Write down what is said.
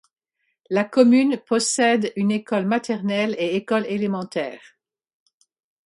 La commune possède une école maternelle et école élémentaire.